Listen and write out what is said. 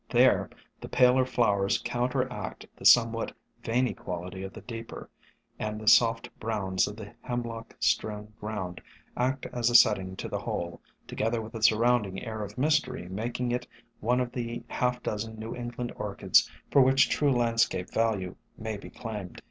There the paler flowers counteract the somewhat veiny quality of the deeper, and the soft browns of the Hemlock strewn ground act as a setting to the whole, together with the surrounding air of mystery making it one of the half dozen New 134 SOME HUMBLE ORCHIDS England Orchids for which true landscape value may be claimed.